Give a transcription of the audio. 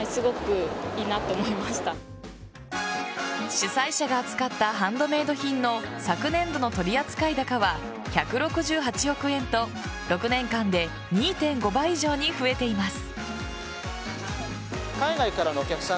主催者が扱ったハンドメイド品の昨年度の取扱高は１６８億円と６年間で２．５倍以上に増えています。